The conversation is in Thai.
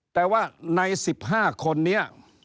แต่ว่าใน๑๕คนนี้